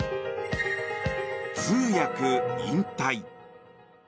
通訳引退。